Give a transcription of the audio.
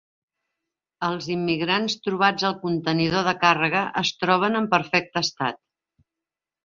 Els immigrants trobats al contenidor de càrrega es troben en perfecte estat